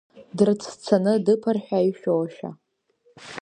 Дрыцәцаны дыԥар ҳәа ишәошәа.